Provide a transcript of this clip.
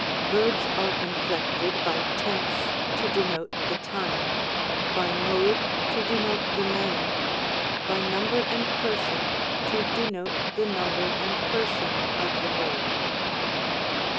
Verbs are inflected by tense to denote the time ; by mode, to denote the manner ; by number and per son, to denote the number and person of the verb.